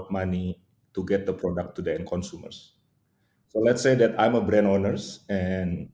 kita ingin membuat produk dan konsumen lebih cepat lebih murah dan lebih efisien